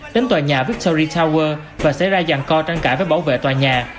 đến tòa nhà victory tower và xảy ra dàn co tranh cãi với bảo vệ tòa nhà